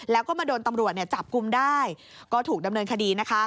แล้วก็มาโดนตำรวจจับกลุ่มได้ก็ถูกดำเนินคดีนะคะ